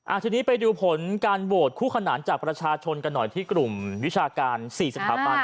ทีนี้ไปดูผลการโหวตคู่ขนานจากประชาชนกันหน่อยที่กลุ่มวิชาการ๔สถาบัน